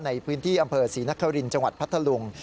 ในพื้นที่อำเภอศรีนครินทร์จังหวัดพัทธลุง